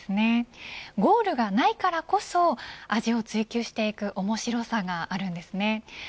ゴールがないからこそ味を追求していく面白さがあるんですね。